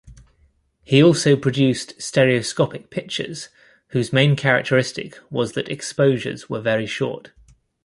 He also produced stereoscopic pictures whose main characteristic was that exposures were very short.